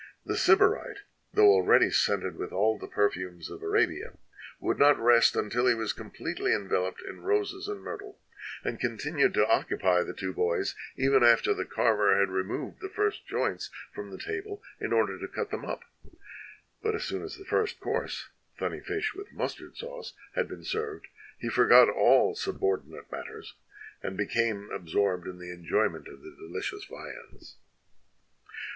The Sybarite, though already scented with all the perfumes of Arabia, would not rest until he was completely envel oped in roses and myrtle, and continued to occupy the two boys even after the carver had removed the first joints from the table in order to cut them up; but as soon as the first course, thurmy fish with mustard sauce, had been served, he forgot all subordinate mat ters and became absorbed in the enjoyment of the deU cious viands.